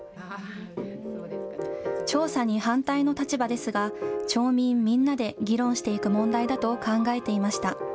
調査に反対の立場ですが、町民みんなで議論していく問題だと考えていました。